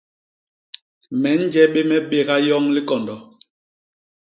Me nje bé me béga yoñ likondo!